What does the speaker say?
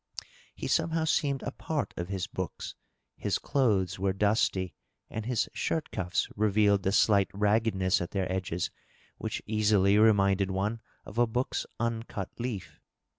He somehow seemed a part of his books ; his clothes were dusty and his shirt cuffs revealed the slight raggedness at their edges which easily reminded one of a book's uncut leaf.